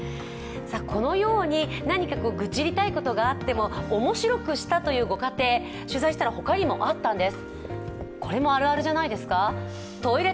このように、何か愚痴りたいことがあってもおもしろくしたというご家庭、取材したら、他にもあったんです。